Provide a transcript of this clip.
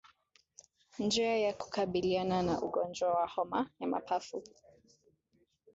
Njia ya kukabiliana na ugonjwa wa homa ya mapafu